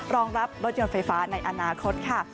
รองรับรถยนต์ไฟฟ้าในอนาคตค่ะ